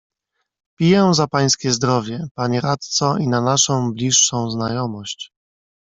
"Piję za pańskie zdrowie, panie radco i na naszą bliższą znajomość!"